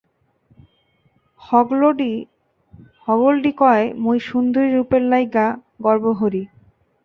হগলডি কয় মুই সুন্দরি রূপের লাইগ্গা গর্ব হরি